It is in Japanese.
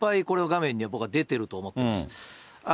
この画面には、僕は出てると思ってます。